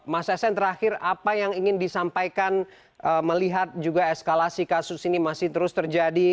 mas hasan terakhir apa yang ingin disampaikan melihat juga eskalasi kasus ini masih terus terjadi